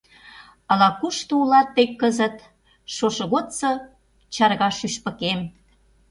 Ала-кушто улат тые кызыт, Шошо годсо чарга шӱшпыкем.